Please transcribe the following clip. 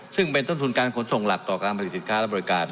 ซึ่งเป็นต้นทุนการขนส่งหลักต่อการผลิตสินค้าและบริการ